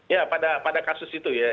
ya pada kasus itu ya